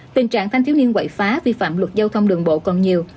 tình trạng thanh thiếu niên quậy phá vi phạm luật giao thông đường bộ còn nhiều